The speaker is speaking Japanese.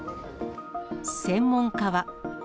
専門家は。